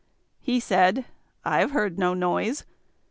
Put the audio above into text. He said: "I have heard no noise."